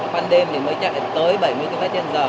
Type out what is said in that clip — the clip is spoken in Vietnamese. ban đêm thì mới chạy tới bảy mươi km trên giờ